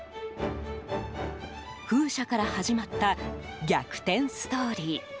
風車から始まった逆転ストーリー。